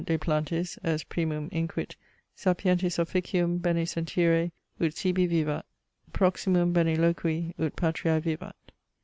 de Plantis: Est primum, inquit, sapientis officium, bene sentire, ut sibi vivat: proximum, bene loqui, ut patriae vivat.